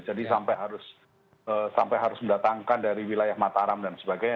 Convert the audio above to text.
jadi sampai harus mendatangkan dari wilayah mataram dan sebagainya